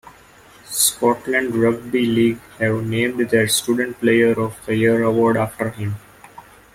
Scotland Rugby League have named their Student Player of the Year Award after him.